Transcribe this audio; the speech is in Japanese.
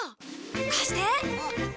貸して。